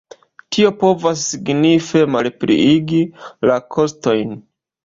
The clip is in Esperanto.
Tio povas signife malpliigi la kostojn.